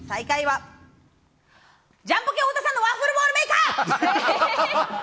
ジャンポケ・太田さんのワッフルボウルメーカー。